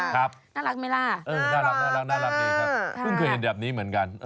ครับน่ารักไหมล่ะน่ารักดีครับเพิ่งเคยเห็นแบบนี้เหมือนกัน